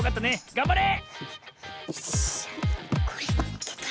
がんばれ！